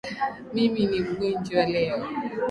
Mimi ni mgonjwa leo